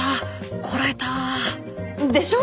こらえたでしょ？